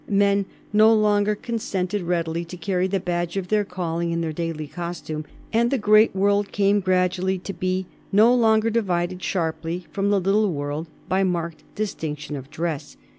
Men no longer consented readily to carry the badge of their calling in their daily costume, and the great world came gradually to be no longer divided sharply from the little world by marked distinction of dress.